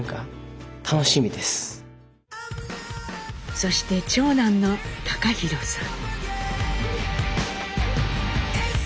そして長男の貴寛さん。